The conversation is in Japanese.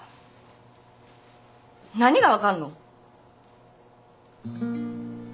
何が分かんの？